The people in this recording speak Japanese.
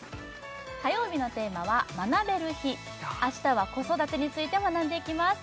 火曜日のテーマは学べる日明日は子育てについて学んでいきます